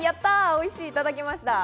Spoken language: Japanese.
おいしいをいただきました。